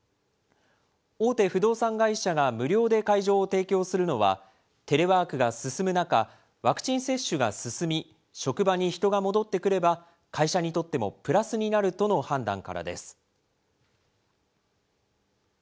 大手不動産会社が無料で会場を提供するのは、テレワークが進む中、ワクチン接種が進み、職場に人が戻ってくれば、会社にとってもプラスになるとの判断からです。